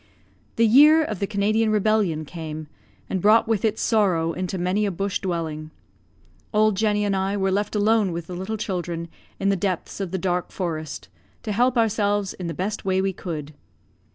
The year of the Canadian rebellion came, and brought with it sorrow into many a bush dwelling. Old Jenny and I were left alone with the little children, in the depths of the dark forest, to help ourselves in the best way we could.